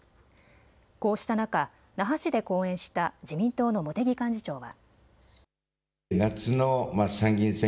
こうした中、那覇市で講演した自民党の茂木幹事長は。